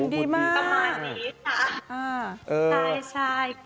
ขาพี่ปลอยเท่าแขนที่ฉันเลย